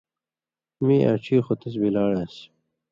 مِیں آن٘ڇھی خو تَس بلاڑان٘سیۡ